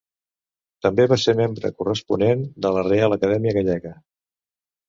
També va ser membre corresponent de la Reial Acadèmia Gallega.